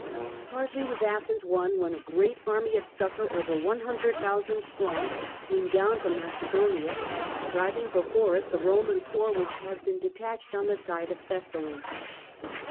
Hardly was Athens won, when a great army of succour, over ioo, cxDO strong, came down from Macedonia, driving before it the Roman corps which had been detached on the side of Thessaly.